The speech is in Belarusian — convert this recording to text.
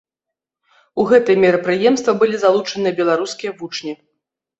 У гэтае мерапрыемства былі залучаныя беларускія вучні.